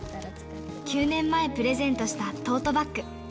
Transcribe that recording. ９年前プレゼントしたトートバッグ。